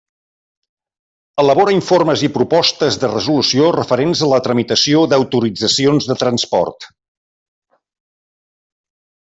Elabora informes i propostes de resolució referents a la tramitació d'autoritzacions de transport.